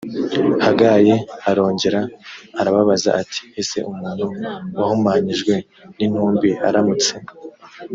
hagayi arongera arababaza ati ese umuntu wahumanyijwe n intumbi aramutse